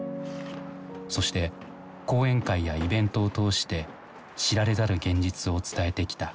そして講演会やイベントを通して知られざる現実を伝えてきた。